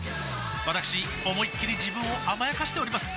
わたくし思いっきり自分を甘やかしております